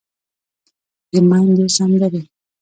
د ميندو سندرې